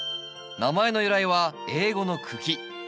名前の由来は英語の「茎」。